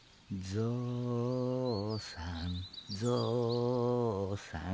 「ぞうさんぞうさん」